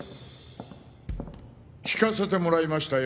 聞かせてもらいましたよ。